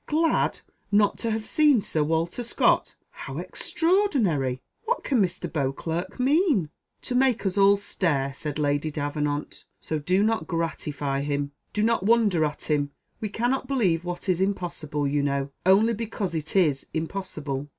"Glad not to have seen Sir Walter Scott! How extraordinary! What can Mr. Beauclerc mean?" "To make us all stare," said Lady Davenant, "so do not gratify him. Do not wonder at him; we cannot believe what is impossible, you know, only because it is impossible.